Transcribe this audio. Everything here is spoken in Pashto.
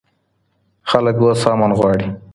خلګ اوس امن غواړي.